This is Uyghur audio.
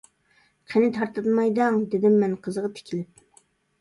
— قېنى تارتىنماي دەڭ، — دېدىم مەن قىزغا تىكىلىپ.